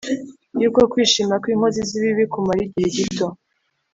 yuko kwishima kw’inkozi z’ibibi kumara igihe gito,